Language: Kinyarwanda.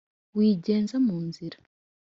Wigenza mu nzira